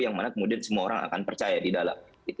yang mana kemudian semua orang akan percaya di dalam